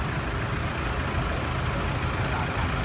พร้อมต่ำยาว